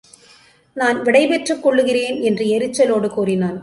நான் விடைப் பெற்றுக் கொள்ளுகிறேன் என்று எரிச்சலோடு கூறினான்.